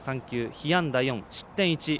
被安打４、失点１。